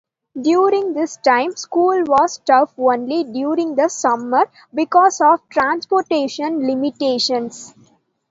During this time, school was taught only during the summer because of transportation limitations.